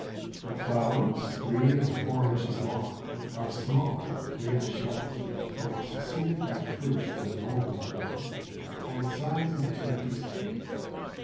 The flowers, three or four inches long, are small and greenish yellow, and are succeeded by fruit of an oval form and the size of a turkey's egg.